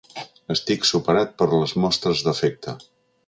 Estic superat per les mostres d'afecte.